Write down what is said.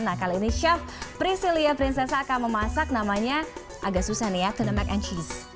nah kali ini chef priscilia prinsessa akan memasak namanya agak susah nih ya tuna mac and cheese